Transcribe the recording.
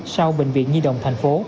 sau bệnh viện nhi đồng tp hcm